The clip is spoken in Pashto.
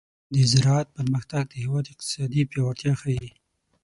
د زراعت پرمختګ د هېواد اقتصادي پیاوړتیا ښيي.